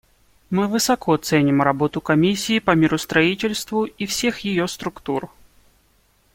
Мы высоко ценим работу Комиссии по миростроительству и всех ее структур.